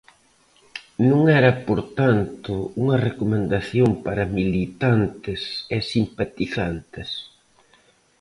Non era por tanto unha recomendación para militantes e simpatizantes?